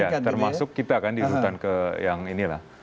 ya cukup besar termasuk kita kan dihubungkan ke yang ini lah